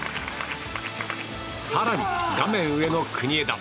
更に画面上の国枝。